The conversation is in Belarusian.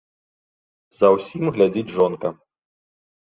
За ўсім глядзіць жонка.